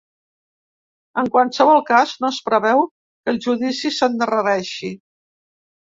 En qualsevol cas, no es preveu que el judici s’endarrereixi.